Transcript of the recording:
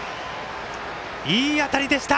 いい当たりでした。